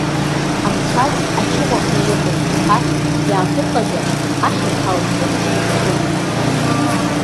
Амцәаз ачыҟә аҟны иҟоуп, — иҳәан, иааԥырҟазар, аҳ иԥҳа лыхьтәы мацәаз ҭоуп.